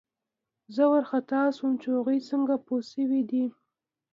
زه وارخطا شوم چې هغوی څنګه پوه شوي دي